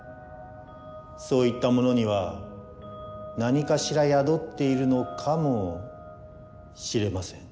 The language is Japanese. そういったものにはなにかしら宿っているのかもしれません。